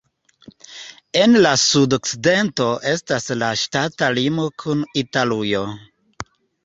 En la sudokcidento estas la ŝtata limo kun Italujo.